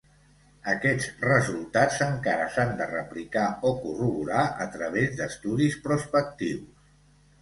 Aquests resultats encara s'han de replicar o corroborar a través d'estudis prospectius.